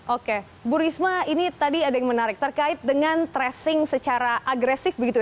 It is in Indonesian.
oke bu risma ini tadi ada yang menarik terkait dengan tracing secara agresif begitu ya